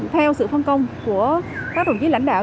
theo sự phân công của các đồng chí lãnh đạo